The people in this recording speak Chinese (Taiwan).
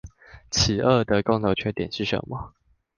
此二的共同缺點是什麼？